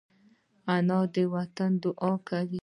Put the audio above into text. انا د وطن دعا کوي